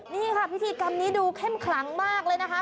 นี่ค่ะพิธีกรรมนี้ดูเข้มขลังมากเลยนะคะ